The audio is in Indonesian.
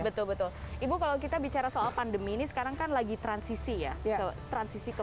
betul betul ibu kalau kita bicara soal pandemi ini sekarang kan lagi transisi ya betul transisi ke